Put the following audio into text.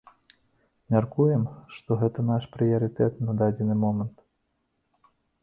Мяркуем, што гэта наш прыярытэт на дадзены момант.